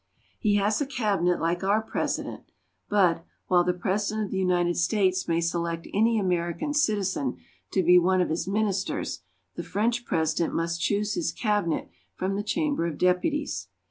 He has a cabinet like our President, but, while the President of the United States may select any American citizen to be one of his Ministers, the French President must choose his cabinet from the Chamber of Deputies.